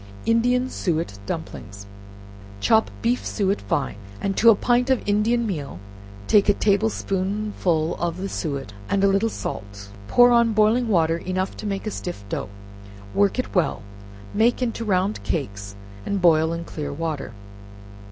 Indian Suet Dumplings Chop beef suet fine, and to a pint of Indian meal, take a table spoonful of the suet and a little salt; pour on boiling water enough to make a stiff dough, work it well, make into round cakes, and boil in clear water.